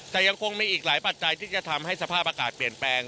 แต่ยังคงมีอีกหลายปัจจัยที่จะทำให้สภาพอากาศเปลี่ยนแปลง